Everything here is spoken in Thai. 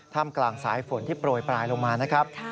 กลางสายฝนที่โปรยปลายลงมานะครับ